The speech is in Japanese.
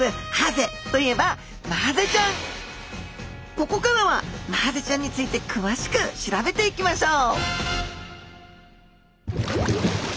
ここからはマハゼちゃんについて詳しく調べていきましょう！